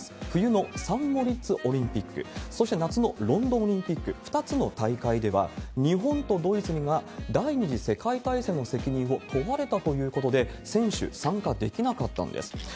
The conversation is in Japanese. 冬のサンモリッツオリンピック、そして夏のロンドンオリンピック、２つの大会では、日本とドイツが第２次世界大戦の責任を問われたということで、選手、参加できなかったんです。